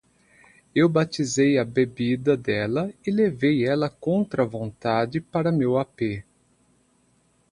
Eu batizei a bebida dela e levei ela contra a vontade para meu apê